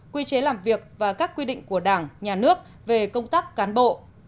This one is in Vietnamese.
quy chế làm việc và các quy định của đảng nhà nước về công tác cán bộ